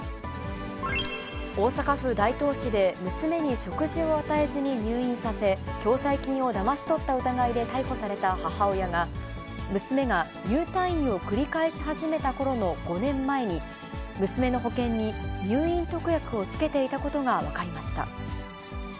大阪府大東市で、娘に食事を与えずに入院させ、共済金をだまし取った疑いで逮捕された母親が、娘が入退院を繰り返し始めたころの５年前に、娘の保険に入院特約を付けていたことが分かりました。